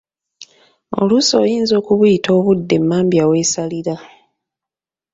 Oluusi oyinza okubuyita obudde emmambya weesalira.